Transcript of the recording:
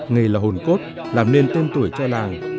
nghề là hồn cốt làm nên tên tuổi cho làng